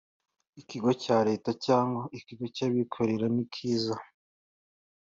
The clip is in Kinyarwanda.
ikigo cya Leta cyangwa ikigo cyabikorera ni kiza.